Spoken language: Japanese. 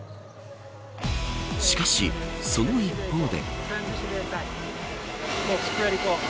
しかし、その一方で。